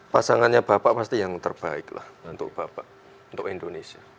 pasangannya bapak pasti yang terbaik lah untuk bapak untuk indonesia